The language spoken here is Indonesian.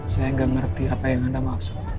saya nggak ngerti apa yang anda maksud